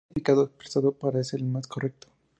El primer significado expresado parece el más correcto.